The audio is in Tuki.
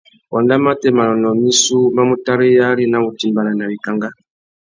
Wanda matê manônōh missú má mú taréyari nà wutimbāna nà wikangá.